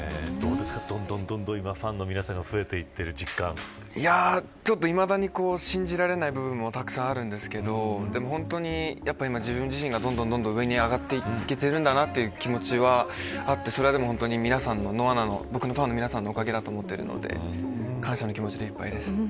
どんどんファンの方が増えていっている実感はいまだに信じられない部分もたくさんありますが自分自身がどんどん上に上がっていけてるんだなという気持ちはあってそれは僕のファンのおかげだと思っているので感謝の気持ちでいっぱいです。